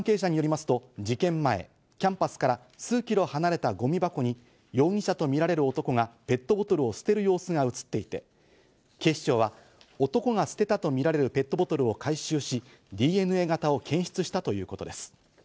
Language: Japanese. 捜査関係者によりますと事件前、キャンパスから数キロ離れたゴミ箱に容疑者とみられる男がペットボトルを捨てる様子が映っていて、警視庁は男が捨てたとみられるペットボトルを回収し、ＤＮＡ型を検出したということです。